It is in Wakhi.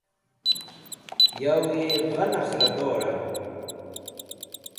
Yawi gha nakhradora?